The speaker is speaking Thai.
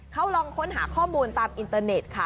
เขาลองค้นหาข้อมูลตามอินเตอร์เน็ตค่ะ